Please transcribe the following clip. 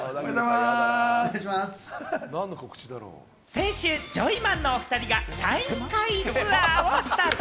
先週、ジョイマンのおふたりがサイン会ツアーをスタート。